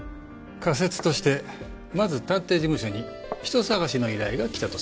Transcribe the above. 仮説としてまず探偵事務所に人捜しの依頼がきたとする。